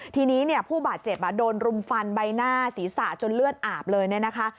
ทีนี้เนี่ยผู้บาดเจ็บโดนรุมฟันใบหน้าศีรษะจนเลือดอาบเลยเนี่ยนะคะ